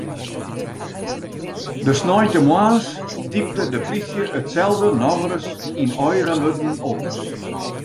De sneintemoarns typte de plysje itselde nochris yn eigen wurden op.